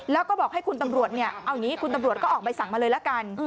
แล้วก็บอกให้คุณตำรวจเนี่ยเอาอย่างนี้คุณตำรวจก็ออกใบสั่งมาเลยละกัน